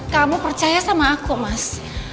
kamu percaya sama aku mas